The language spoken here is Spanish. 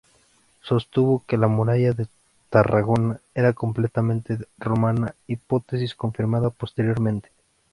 Sostuvo que la muralla de Tarragona era completamente romana, hipótesis confirmada posteriormente.